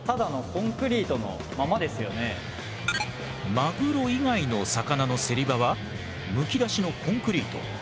マグロ以外の魚の競り場はむき出しのコンクリート。